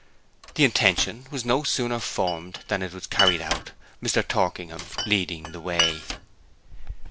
The intention was no sooner formed than it was carried out, Mr. Torkingham leading the way.